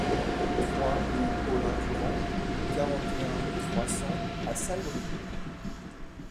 trois rue Paulin Durand, quarante et un, trois cents à Salbris